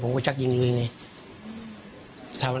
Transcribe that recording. ก็เลยขับรถไปมอบตัว